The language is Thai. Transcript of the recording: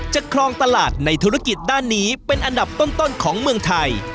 ครองตลาดในธุรกิจด้านนี้เป็นอันดับต้นของเมืองไทย